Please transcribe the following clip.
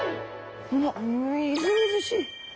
あっみずみずしい。